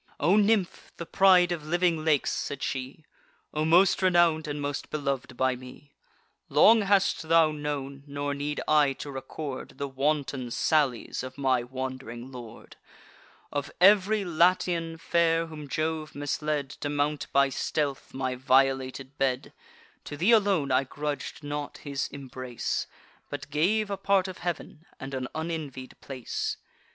"O nymph, the pride of living lakes," said she, "O most renown'd, and most belov'd by me, Long hast thou known, nor need I to record, The wanton sallies of my wand'ring lord. Of ev'ry Latian fair whom Jove misled To mount by stealth my violated bed, To thee alone I grudg'd not his embrace, But gave a part of heav'n, and an unenvied place.